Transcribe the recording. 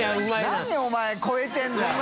何お前超えてるんだよ！